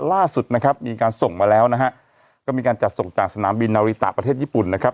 ล่าสุดนะครับมีการส่งมาแล้วนะฮะก็มีการจัดส่งจากสนามบินนาริตะประเทศญี่ปุ่นนะครับ